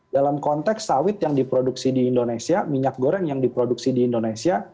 dalam konteks sawit yang diproduksi di indonesia minyak goreng yang diproduksi di indonesia